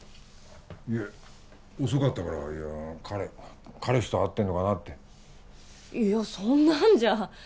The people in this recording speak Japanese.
いや遅かったから彼彼氏と会ってんのかなっていやそんなんじゃ